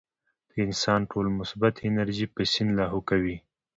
د انسان ټوله مثبت انرجي پۀ سين لاهو کوي -